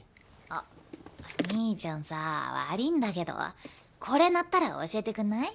あっ兄ちゃんさ悪ぃんだけどこれ鳴ったら教えてくんない？